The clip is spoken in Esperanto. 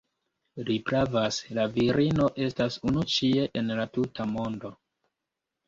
Li pravas. La virino estas unu ĉie en la tuta mondo